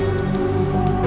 terima kasih ya